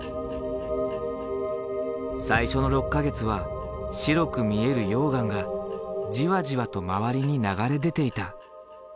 最初の６か月は白く見える溶岩がじわじわと周りに流れ出ていた。